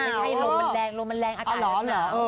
ไม่ใช่หลงมันแรงหลงมันแรงอากาศน้ำ